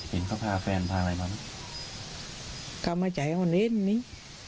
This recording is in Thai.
เห็นเขาพาแฟนพาอะไรมาเขามาจ่ายขนาดนี้